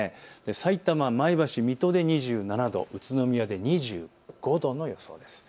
さいたま、前橋、水戸で２７度、宇都宮で２５度の予想です。